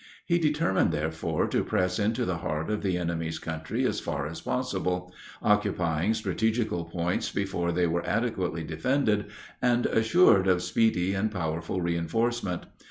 He determined, therefore, to press into the heart of the enemy's country as far as possible, occupying strategical points before they were adequately defended and assured of speedy and powerful reinforcement.